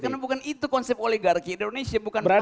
ya karena bukan itu konsep oligarki indonesia bukan partai